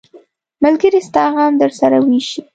ملګری ستا غم درسره ویشي.